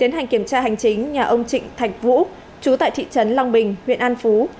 tiến hành kiểm tra hành chính nhà ông trịnh thạch vũ chú tại thị trấn long bình huyện an phú